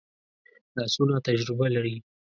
لاسونه تجربه لري